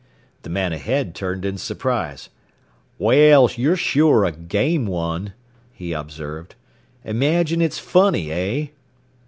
The man ahead turned in surprise. "Well, you're sure a game one," he observed. "Imagine it's funny, eh?"